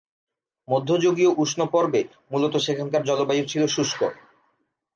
মধ্যযুগীয় উষ্ণ পর্বে মূলত সেখানকার জলবায়ু ছিল শুষ্ক।